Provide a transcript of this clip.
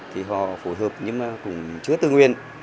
thì họ phối hợp nhưng mà cũng chưa tư nguyên